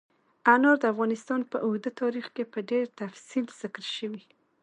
انار د افغانستان په اوږده تاریخ کې په ډېر تفصیل ذکر شوي.